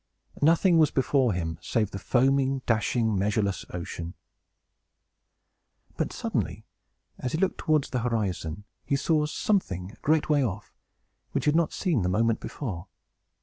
Nothing was before him, save the foaming, dashing, measureless ocean. But, suddenly, as he looked towards the horizon, he saw something, a great way off, which he had not seen the moment before.